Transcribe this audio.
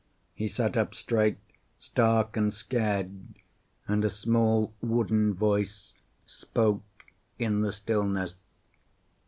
He sat up straight, stark and scared, and a small wooden voice spoke in the stillness.